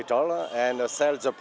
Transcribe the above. tôi làm việc đầu tiên